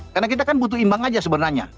karena kita kan butuh imbang saja sebenarnya